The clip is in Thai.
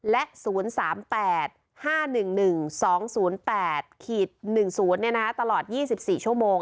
และ๐๓๘๕๑๑๒๐๘๑๐ตลอด๒๔ชั่วโมง